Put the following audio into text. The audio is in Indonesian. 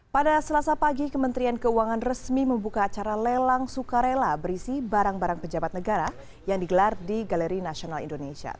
pada selasa pagi kementerian keuangan resmi membuka acara lelang sukarela berisi barang barang pejabat negara yang digelar di galeri nasional indonesia